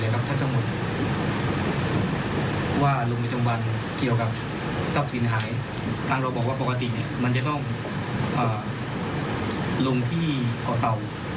ข้องประสิทธิภาคก่อเตาว์